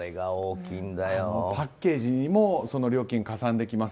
パッケージにもその料金がかさんできます。